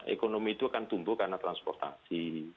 ekonomi itu akan tumbuh karena transportasi